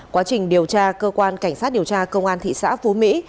quá trình điều tra cơ quan cảnh sát điều tra công an thị xã phú mỹ